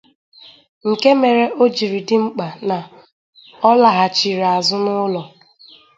nke mere o jiri dị mkpa na ọ laghachiri azụ n'ụlọ